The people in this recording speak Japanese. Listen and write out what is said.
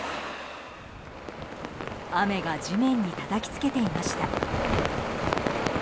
雨が地面にたたきつけていました。